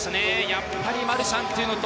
やっぱりマルシャンっていうのと。